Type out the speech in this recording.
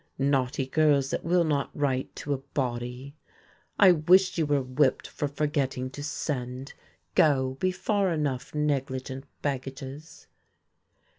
"Naughty girls that will not write to a body!" "I wish you were whipped for forgetting to send. Go, be far enough, negligent baggages."